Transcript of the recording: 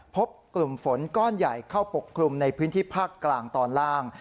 พบกลุ่มฝนก้อนใหญ่เข้าปกคลุมในพื้นที่ภาคกลางตอนล่าง